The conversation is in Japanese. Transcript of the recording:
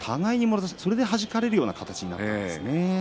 それで、はじかれるような感じになったんですね。